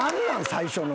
最初の。